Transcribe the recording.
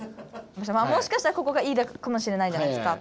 もしかしたらここが「ｅ」かもしれないじゃないですか。